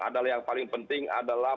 adalah yang paling penting adalah